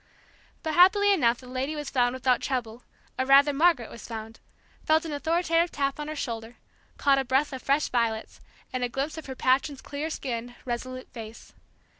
But happily enough the lady was found without trouble, or rather Margaret was found, felt an authoritative tap on her shoulder, caught a breath of fresh violets, and a glimpse of her patron's clear skinned, resolute face.